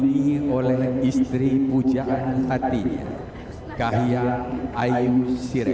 gue pengennya ke luar negeri